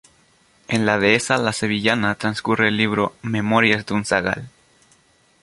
En la dehesa la Sevillana transcurre el libro “"Memorias de un zagal.